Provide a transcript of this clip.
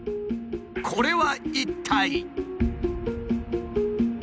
これは一体。